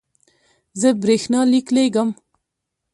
زه برېښنالیک لیږم